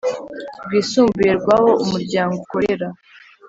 Rwisumbuye rw aho umuryango ukorera